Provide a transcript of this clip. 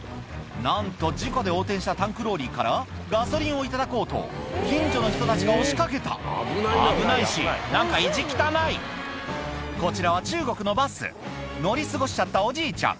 なんと事故で横転したタンクローリーからガソリンを頂こうと近所の人たちが押し掛けた危ないし何か意地汚いこちらは中国のバス乗り過ごしちゃったおじいちゃん